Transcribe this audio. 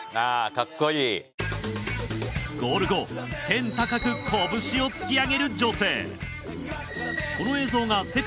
ゴール後天高くこぶしを突き上げる女性